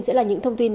sẽ là những thông tin